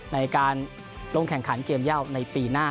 ในการลงแข่งขันเกมเย่าในปีหน้า